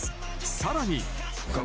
さらに。